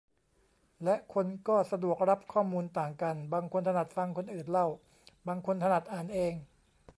และคนก็สะดวกรับข้อมูลต่างกัน บางคนถนัดฟังคนอื่นเล่า บางคนถนัดอ่านเอง